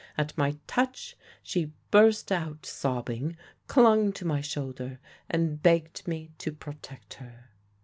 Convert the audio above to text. At my touch she burst out sobbing, clung to my shoulder and begged me to protect her.